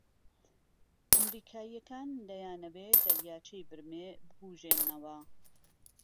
ئەمریكاییەكان دەیانەوێ دەریاچەی ورمێ ببووژێننەوە